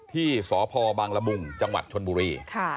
ที่สพบังละมุงจังหวัดชนบุรี